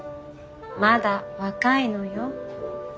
まだ若いのよ。